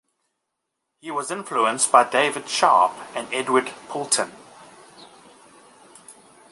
He was influenced by David Sharp and Edward Poulton.